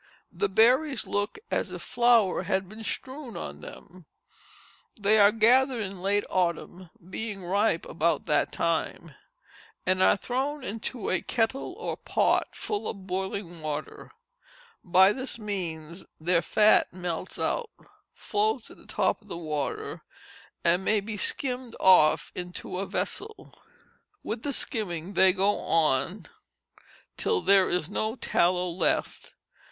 The berries look as if flour had been strewed on them. They are gathered late in Autumn, being ripe about that time, and are thrown into a kettle or pot full of boiling water; by this means their fat melts out, floats at the top of the water, and may be skimmed off into a vessel; with the skimming they go on till there is no tallow left.